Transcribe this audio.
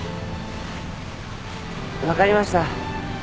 分かりました。